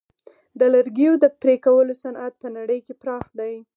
د لرګیو د پرې کولو صنعت په نړۍ کې پراخ دی.